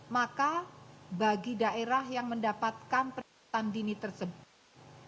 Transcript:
maka bagi daerah yang mendapatkan peringatan dini tersebut